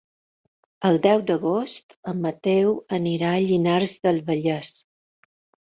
El deu d'agost en Mateu anirà a Llinars del Vallès.